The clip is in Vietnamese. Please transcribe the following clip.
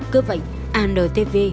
cứ vậy antv